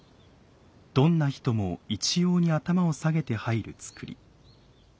どんな人も一様に頭を下げて入る造り。